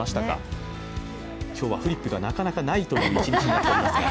今日はフリップがなかなかないという一日になっていますが。